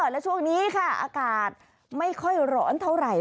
และช่วงนี้ค่ะอากาศไม่ค่อยร้อนเท่าไหร่